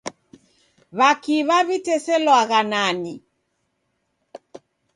W'akiw'a w'iteselwagha nani?